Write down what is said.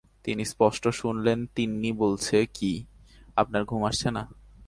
তিনি স্পষ্ট শুনলেন, তিন্নি বলছে, কি, আপনার ঘুম আসছে না?